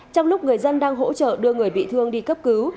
trong lúc người dân đang hỗ trợ đưa người bị thương đi cấp cứu